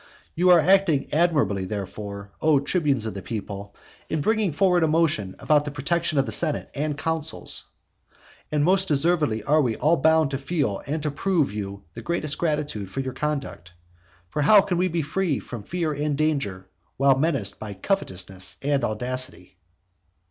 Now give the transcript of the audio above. You are acting admirably, therefore, O tribunes of the people, in bringing forward a motion about the protection of the senate and consuls, and most deservedly are we all bound to feel and to prove to you the greatest gratitude for your conduct. For how can we be free from fear and danger while menaced by such covetousness and audacity?